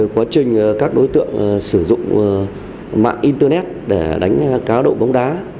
quá trình các đối tượng sử dụng mạng internet để đánh cán đội bóng đá